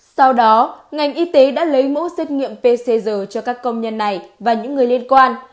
sau đó ngành y tế đã lấy mẫu xét nghiệm pcr cho các công nhân này và những người liên quan